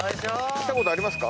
来たことありますか？